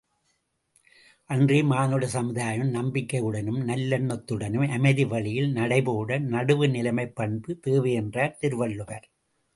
அன்றே மானிட சமுதாயம் நம்பிக்கையுடனும் நல்லெண்ணத்துடனும் அமைதி வழியில் நடைபோட நடுவுநிலைமைப் பண்பு தேவை என்றார் திருவள்ளுவர்.